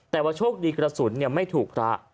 แต่วะโฉกดีกระสุนเนี่ยไม่ถูกรัะ